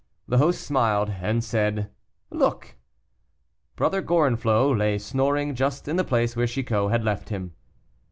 The host smiled, and said, "Look!" Brother Gorenflot lay snoring just in the place where Chicot had left him.